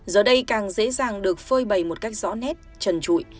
giờ đây càng dễ dàng được phơi bầy một cách rõ nét trần trụi